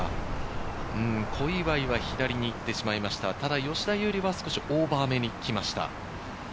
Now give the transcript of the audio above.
小祝は左に行ってしまいました、吉田優利は少しオーバーめに来ました。